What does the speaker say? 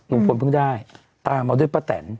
ลุงพลเพิ่งได้ตามเอาด้วยป้าแตน